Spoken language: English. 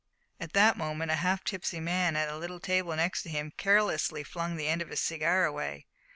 At the moment a half tipsy man at the little table next him carelessly flung the end of his cigar away.